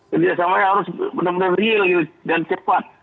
kerjasamanya harus benar benar real dan cepat